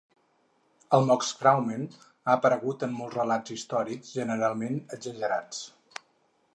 El Moskstraumen ha aparegut en molts relats històrics, generalment exagerats.